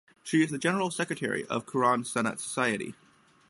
She is the General Secretary of Quran Sunnat Society.